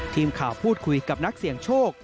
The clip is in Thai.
ทีมข่าวพูดคุยกับนักเสี่ยงโชค